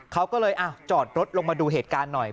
เขาก็เลยจอดรถลงมาดูเหตุการณ์หน่อย